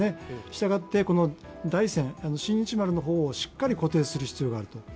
したがって台船、「新日丸」の方をしっかり固定する必要かある。